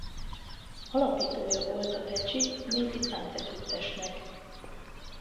Alapítója volt a decsi népi táncegyüttesnek.